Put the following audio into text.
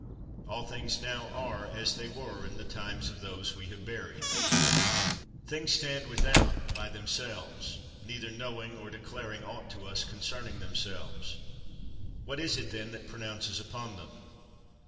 All things now are as they were in the times of those we have buried. 15. Things stand without, by themselves, neither knowing or declaring aught to us concerning themselves. What is it then that pronounces upon them?